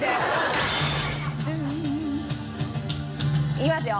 いきますよ。